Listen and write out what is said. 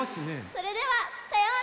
それではさようなら！